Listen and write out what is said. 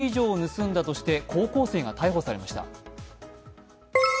４０個以上盗んだとして高校生が逮捕されました。